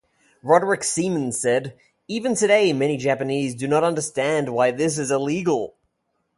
Roderick Seeman said, Even today many Japanese do not understand why this is illegal.